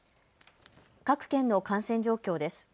各県の感染状況です。